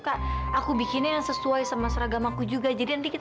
kita pusing bareng bareng di situ aja tempat aku ya nenek ya